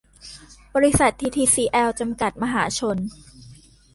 บริษัท ทีทีซีแอล จำกัด มหาชน